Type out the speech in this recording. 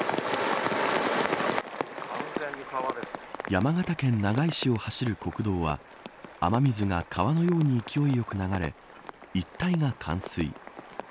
山形県長井市を走る国道は雨水が川のように勢いよく流れ一帯が冠水。